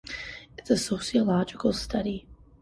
It's a sociological study.